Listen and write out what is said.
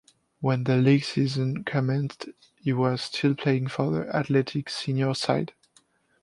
When the league season commenced he was still playing for the Athletic senior side.